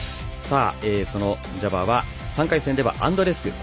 そのジャバーは３回戦ではアンドレスクと。